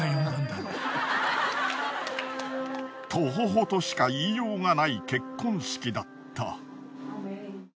トホホとしか言いようがない結婚式だった。